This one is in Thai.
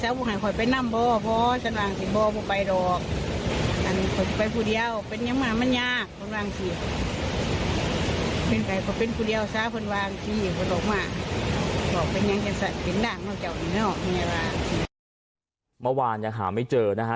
เมื่อวานยังหาไม่เจอนะฮะ